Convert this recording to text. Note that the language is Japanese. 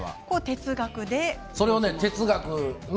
それを哲学で？